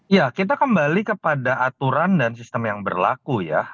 ya kita kembali kepada aturan dan sistem yang berlaku ya